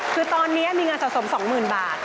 คือตอนนี้มีเงินสะสม๒๐๐๐บาท